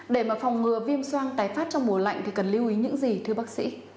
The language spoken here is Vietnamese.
để mà phòng ngừa viêm soang tái phát trong mùa lạnh thì cần lưu ý những gì thưa bác sĩ